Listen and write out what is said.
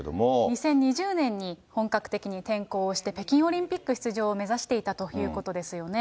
２０２０年に本格的に転向をして、北京オリンピック出場を目指していたということですよね。